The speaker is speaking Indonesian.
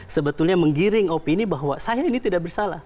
sebetulnya menggiring opini bahwa saya ini tidak bersalah